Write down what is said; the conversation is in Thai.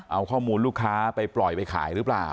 เอาข้อมูลลูกค้าไปปล่อยไปขายหรือเปล่า